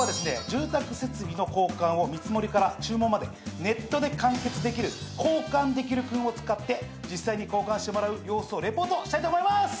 住宅設備の交換を見積もりから注文までネットで完結できる交換できるくんを使って実際に交換してもらう様子をリポートしたいと思います！